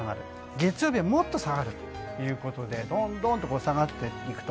月曜日はもっと下がるということでどんどんと下がっていくと。